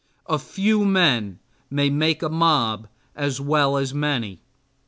A few men may make a mob as well as many.